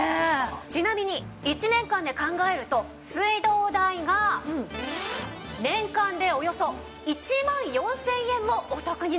ちなみに１年間で考えると水道代が年間でおよそ１万４０００円もお得になります。